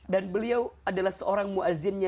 dan beliau adalah seorang mu'azzinnya